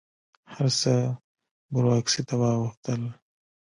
هر څه بروکراسي ته واوښتل.